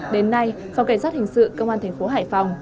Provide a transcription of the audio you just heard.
đến nay phòng cảnh sát hình sự công an thành phố hải phòng